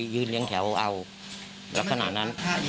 ยืนอยู่แถวเอา